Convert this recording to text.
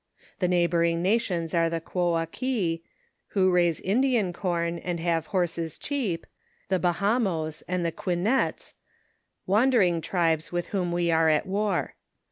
The neighboring nations are the Quoaquis, who raise Indian corn, and have horses cheap, the Bahamos, and the Quinets, wandering tribes with whom we are at war.